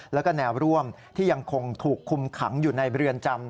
แล้วก็แนวร่วมที่ยังคงถูกคุมขังอยู่ในเรือนจำ